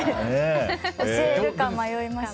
教えるか迷いました。